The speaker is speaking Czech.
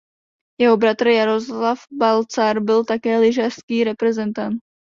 Jeho bratr Jaroslav Balcar byl také lyžařský reprezentant.